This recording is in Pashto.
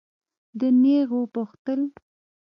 ده نېغ وپوښتل.